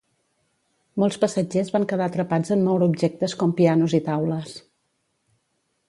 Molts passatgers van quedar atrapats en moure objectes com pianos i taules.